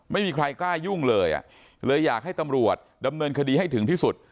ไม่มีใครกล้ายุ่งเลยเลยอยากให้ตำรวจดำเนินคดีให้ถึงที่สุด